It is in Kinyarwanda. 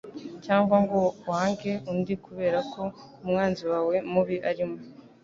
cyangwa ngo wange undi kubera ko umwanzi wawe mubi arimo